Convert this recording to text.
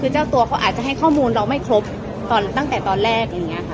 คือเจ้าตัวเขาอาจจะให้ข้อมูลเราไม่ครบตอนตั้งแต่ตอนแรกอย่างนี้ค่ะ